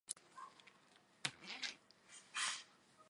特拉西莱蒙。